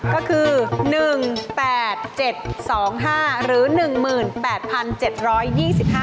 ก็คือ๑๘๗๒๕หรือ๑หมื่น